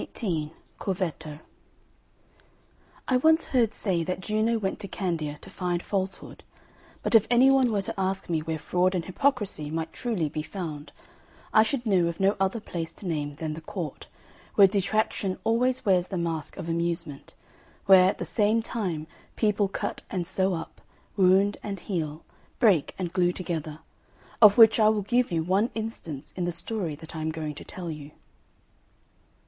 XVIII CORVETTO I once heard say that Juno went to Candia to find Falsehood. But if any one were to ask me where fraud and hypocrisy might truly be found, I should know of no other place to name than the Court, where detraction always wears the mask of amusement; where, at the same time, people cut and sew up, wound and heal, break and glue together of which I will give you one instance in the story that I am going to tell you.